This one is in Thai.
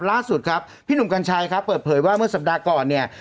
ล่าสุดครับพี่หนุ่มกัญชัยครับเปิดเผยว่าเมื่อสัปดาห์ก่อนเนี่ย